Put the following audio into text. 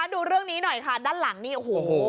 ดูเรื่องนี้หน่อยค่ะด้านหลังนี่โอ้โห